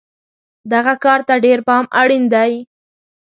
دغه کار ته ډېر پام اړین دی.